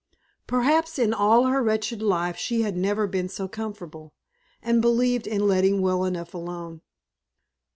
Perhaps in all her wretched life she had never been so comfortable, and believed in letting well enough alone.